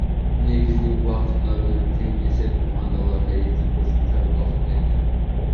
Негизги убакыттагы тең эсеп командаларга эки кошумча убакыт берди.